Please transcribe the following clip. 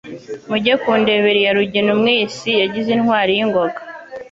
Mujye kundebera iya RuginaUmwisi yagize intwari y' ingoga